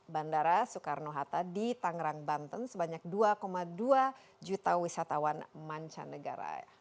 bandara soekarno hatta di tangerang banten sebanyak dua dua juta wisatawan mancanegara